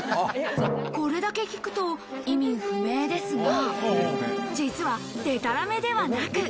これだけ聞くと意味不明ですが、実はデタラメではなく。